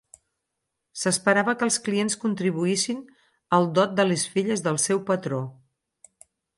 S'esperava que els clients contribuïssin al dot de les filles del seu patró.